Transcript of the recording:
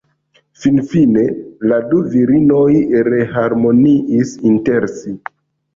Finfine la du virinoj reharmoniis inter si.